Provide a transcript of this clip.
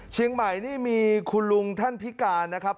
เชียงใหม่นี่มีคุณลุงท่านพิการนะครับ